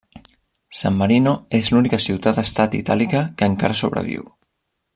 San Marino és l'única ciutat-estat itàlica que encara sobreviu.